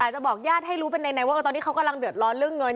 จะบอกญาติให้รู้เป็นในว่าตอนนี้เขากำลังเดือดร้อนเรื่องเงิน